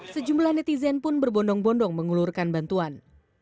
sejumlah netizen pun berbondong bondong mengulurkan bantuan